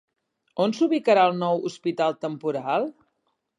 On s'ubicarà el nou hospital temporal?